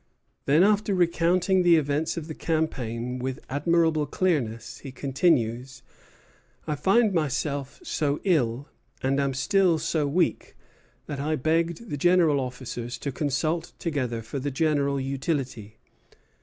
Then, after recounting the events of the campaign with admirable clearness, he continues: "I found myself so ill, and am still so weak, that I begged the general officers to consult together for the general utility.